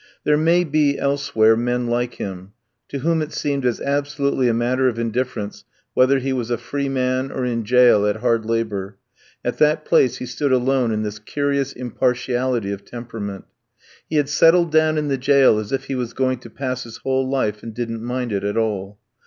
There may be, elsewhere, men like him, to whom it seemed as absolutely a matter of indifference whether he was a free man, or in jail at hard labour; at that place he stood alone in this curious impartiality of temperament. He had settled down in the jail as if he was going to pass his whole life, and didn't mind it at all.